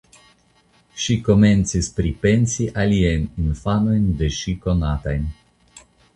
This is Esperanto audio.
Ŝi komencis pripensi aliajn infanojn de ŝi konatajn.